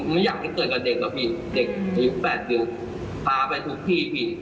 ไม่อยากเข้าเต๋อยกับเด็กล่ะพี่เด็กในยุคแปดพาไปทุกที่